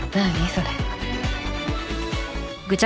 それ。